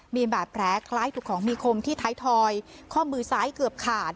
มีบาดแผลคล้ายถูกของมีคมที่ท้ายทอยข้อมือซ้ายเกือบขาด